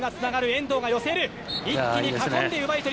遠藤が寄せる。